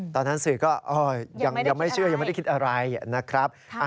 ตอนนั้นสื่อก็ยังไม่ได้คิดอะไรนะครับ